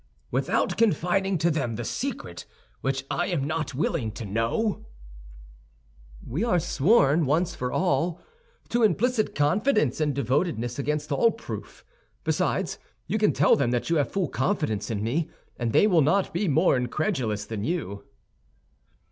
"Without confiding to them the secret which I am not willing to know?" "We are sworn, once for all, to implicit confidence and devotedness against all proof. Besides, you can tell them that you have full confidence in me, and they will not be more incredulous than you."